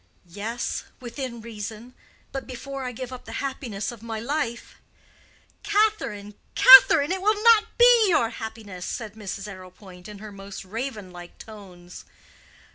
"Yes, within reason. But before I give up the happiness of my life—" "Catherine, Catherine, it will not be your happiness," said Mrs. Arrowpoint, in her most raven like tones.